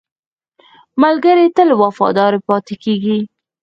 ملګری تل وفادار پاتې کېږي